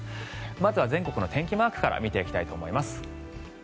まずは全国の天気マークから見ていきたいと思います。